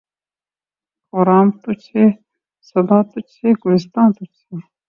خرام تجھ سے‘ صبا تجھ سے‘ گلستاں تجھ سے